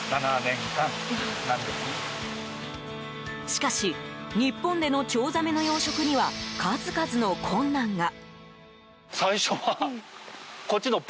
しかし日本でのチョウザメの養殖には数々の困難が。